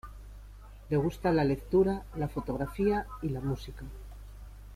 Le gusta la lectura, la fotografía y la música.